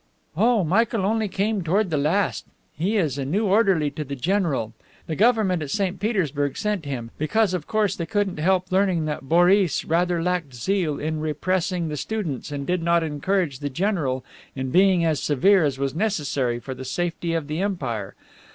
"Oh, Michael only came towards the last. He is a new orderly to the general. The government at St. Petersburg sent him, because of course they couldn't help learning that Boris rather lacked zeal in repressing the students and did not encourage the general in being as severe as was necessary for the safety of the Empire.